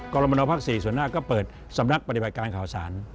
กรมนภ๔ส่วนหน้าก็เปิดสำนักปฏิบัติการข่าวสาร